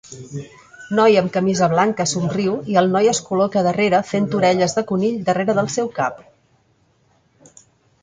Noia amb camisa blanca somriu i el noi es col·loca darrere fent orelles de conill darrere del seu cap.